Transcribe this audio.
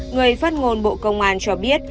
người phát ngôn bộ công an cho biết